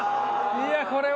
いやこれは。